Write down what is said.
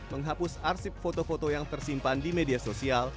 menghapus arsip foto foto yang tersimpan di media sosial